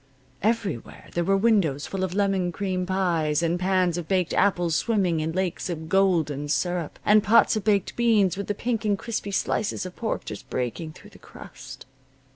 Everywhere there were windows full of lemon cream pies, and pans of baked apples swimming in lakes of golden syrup, and pots of baked beans with the pink and crispy slices of pork just breaking through the crust.